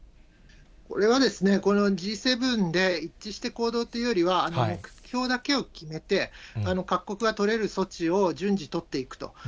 これはこのＧ７で一致して行動というよりは、目標だけを決めて、各国が取れる措置を順次取っていくと。